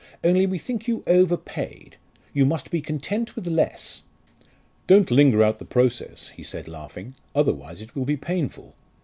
Only we think you overpaid. You must be content with less." "Don't linger out the process," he said laughing, "otherwise it will be painful.